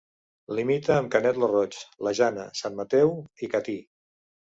Limita amb Canet lo Roig, la Jana, Sant Mateu i Catí.